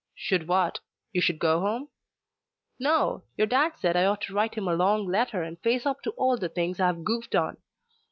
"Should what? You should go home?" "No. Your dad said I ought to write him a long letter and face up to all the things I've goofed on.